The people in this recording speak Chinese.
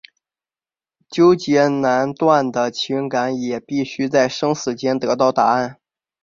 纠结难断的情感也必须在生死间得到答案。